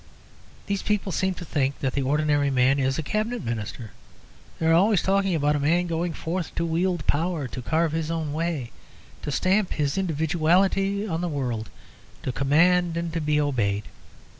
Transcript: These people seem to think that the ordinary man is a Cabinet Minister. They are always talking about man going forth to wield power, to carve his own way, to stamp his individuality on the world, to command and to be obeyed.